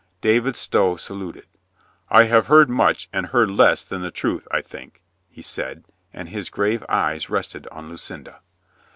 David Stow saluted. "I have heard much and heard less than the truth, I think," he said, and his grave eyes rested on Lucinda.